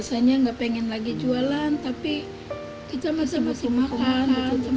rasanya nggak pengen lagi jualan tapi kita masih makan kita makan